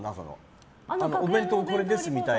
お弁当これですみたいな。